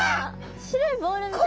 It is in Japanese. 白いボールみたいな。